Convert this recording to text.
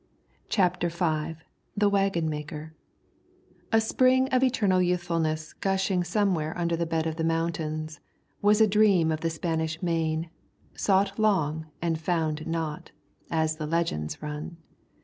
CHAPTER V THE WAGGON MAKER A spring of eternal youthfulness gushing somewhere under the bed of the mountains, was a dream of the Spanish Main, sought long and found not, as the legends run.